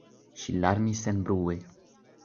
Ŝi larmis senbrue.